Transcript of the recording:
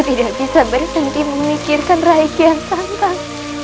tidak bisa berhenti memikirkan raih kian santan